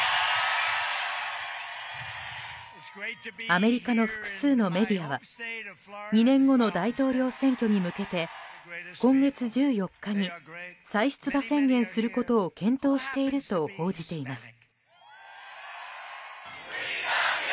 アメリカの複数のメディアは２年後の大統領選挙に向けて今月１４日に再出馬宣言することを検討していると報じています。